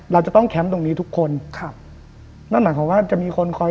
เราจะต้องแคมป์ตรงนี้ทุกคนครับนั่นหมายความว่าจะมีคนคอย